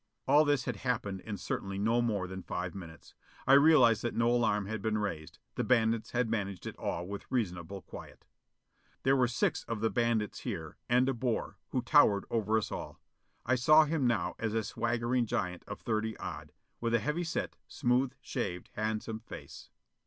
All this had happened in certainly no more than five minutes. I realized that no alarm had been raised: the bandits had managed it all with reasonable quiet. There were six of the bandits here, and De Boer, who towered over us all. I saw him now as a swaggering giant of thirty odd, with a heavy set smooth shaved, handsome face.